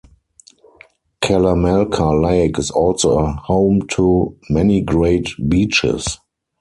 Kalamalka Lake is also a home to many great beaches.